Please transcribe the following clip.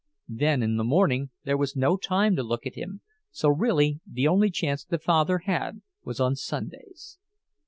Then in the morning there was no time to look at him, so really the only chance the father had was on Sundays.